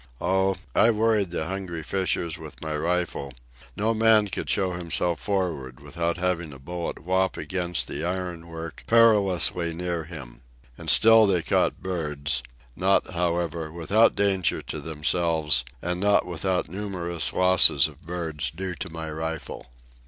Oh, I worried the hungry fishers with my rifle. No man could show himself for'ard without having a bullet whop against the iron work perilously near him. And still they caught birds—not, however, without danger to themselves, and not without numerous losses of birds due to my rifle.